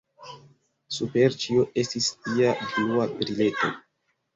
Super ĉio estis ia blua brileto.